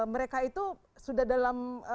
mereka itu sudah dalam